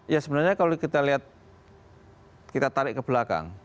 ya sebenarnya kalau kita lihat kita tarik ke belakang